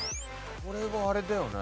これはあれだよね？